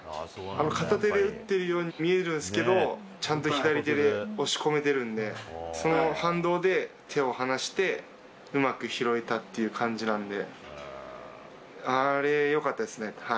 片手で打ってるように見えるんですけど、ちゃんと左手で押し込めてるんで、その反動で手をはなして、うまく拾えたっていう感じなんで、あれ、よかったですね。